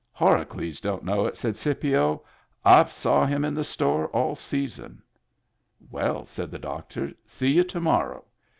"Horacles don't know it," said Scipio. "I've saw him in the store all season." "Well," said the doctor, "see you to morrow.